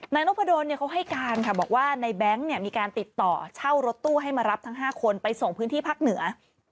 นพดลเขาให้การค่ะบอกว่าในแบงค์มีการติดต่อเช่ารถตู้ให้มารับทั้ง๕คนไปส่งพื้นที่ภาคเหนือ